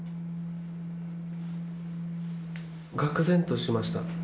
がく然としました。